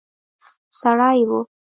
سړی وو.